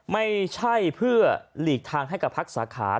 ไม่ใช่เพื่อหลีกทางให้กับพักสาขา